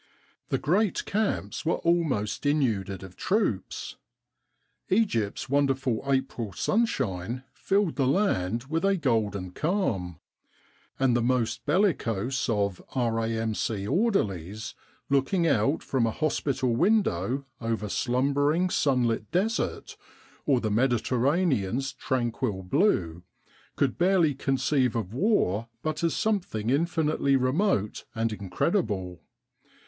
The great camps were almost denuded of troops. Egypt's wonderful April sunshine filled the land with a golden calm, and the most bellicose of R.A.M.C. orderlies looking out from a hospital window over slumbering sunlit desert, or the Mediterranean's tranquil blue, could scarcely con ceive of war but as something infinitely remote and incredible.